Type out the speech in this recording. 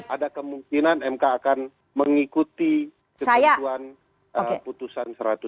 ada kemungkinan mk akan mengikuti keputusan satu ratus dua belas